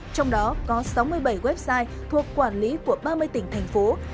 trong đó có sáu mươi bảy website thuộc quản lý của ba mươi tỉnh thành phố